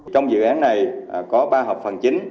trong dự án này có ba hợp phần chính